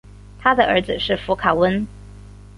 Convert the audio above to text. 他的儿子是佛卡温。